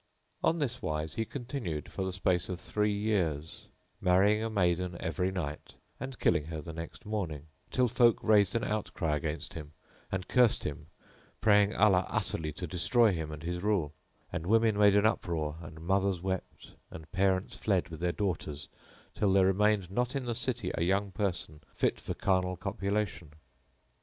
On this wise he continued for the space of three years; marrying a maiden every night and killing her the next morning, till folk raised an outcry against him and cursed him, praying Allah utterly to destroy him and his rule; and women made an uproar and mothers wept and parents fled with their daughters till there remained not in the city a young person fit for carnal copulation.